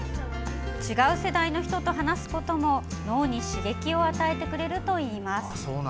違う世代の人と話すことも脳に刺激を与えてくれるといいます。